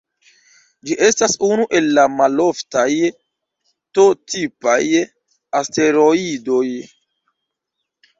Ĝi estas unu el la maloftaj T-tipaj asteroidoj.